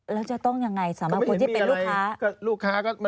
แล้วจะต้องยังไงสำหรับคนที่เป็นลูกค้า